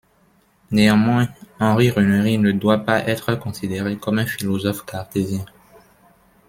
Néanmoins, Henri Reneri ne doit pas être considéré comme un philosophe cartésien.